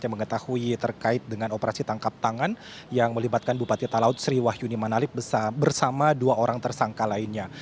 yang mengetahui terkait dengan operasi tangkap tangan yang melibatkan bupati talaut sri wahyuni manalip bersama dua orang tersangka lainnya